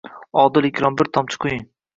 Odil Ikrom, bir tomchi quying